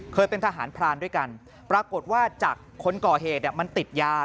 เคยเป็นทหารพรานด้วยกันปรากฏว่าจากคนก่อเหตุมันติดยา